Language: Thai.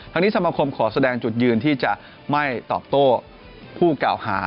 นี้สมคมขอแสดงจุดยืนที่จะไม่ตอบโต้ผู้กล่าวหา